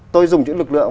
tôi dùng chữ lực lượng